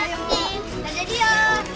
sampai jumpa dio